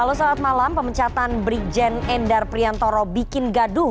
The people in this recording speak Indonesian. halo selamat malam pemecatan brigjen endar priantoro bikin gaduh